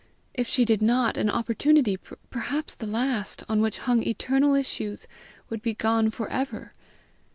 If she did not, an opportunity, perhaps the last, on which hung eternal issues, would be gone for ever!